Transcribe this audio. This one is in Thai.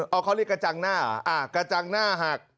เอาเขาเรียกกระจังหน้ากระจังหน้าหัก